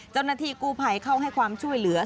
เจ้าหน้าที่กู้ภัยเข้าให้ความช่วยเหลือ